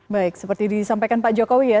baik seperti disampaikan pak jokowi ya